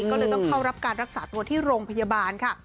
ก็เลยต้องเข้ารับการรักษาตัวที่โรงพยาบาลค่ะ